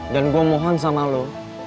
dan gua mohon sama lu